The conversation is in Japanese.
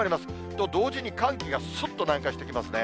と同時に寒気がすっと南下してきますね。